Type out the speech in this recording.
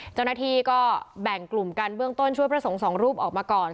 เจ้าหน้าที่ก็แบ่งกลุ่มกันเบื้องต้นช่วยพระสงฆ์สองรูปออกมาก่อน